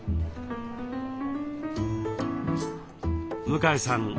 向江さん